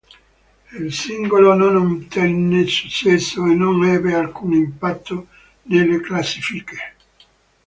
Il singolo non ottenne successo e non ebbe alcun impatto nelle classifiche.